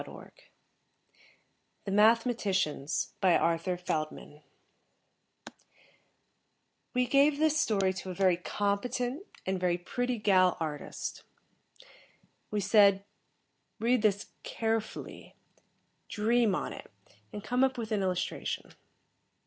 net THE MATHEMATICIANS BY ARTHUR FELDMAN _We gave this story to a very competent, and very pretty gal artist. We said, "Read this carefully, dream on it, and come up with an illustration."